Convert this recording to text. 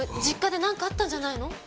実家でなんかあったんじゃないの？